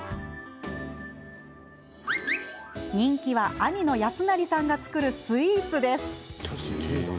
人気は、兄の泰成さんが作るスイーツ。